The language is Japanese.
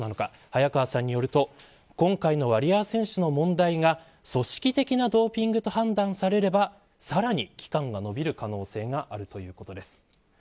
早川さんによると今回のワリエワ選手の問題が組織的なドーピングと判断されればさらに期間が延びる可能性があるということです。